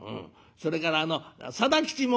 「それからあの定吉も」。